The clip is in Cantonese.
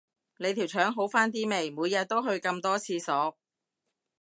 你條腸好返啲未，每日都去咁多廁所